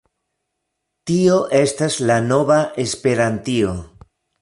Tio estas la nova Esperantio.